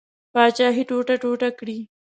پاچهي ټوټه ټوټه کړي.